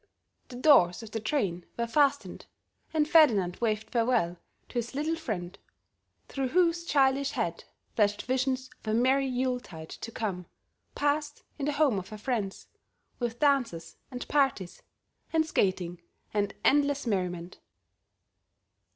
the doors of the train were fastened, and Ferdinand waved farewell to his little friend, through whose childish head flashed visions of a merry Yule tide to come, passed in the home of her friends, with dances and parties, and skating and endless merriment.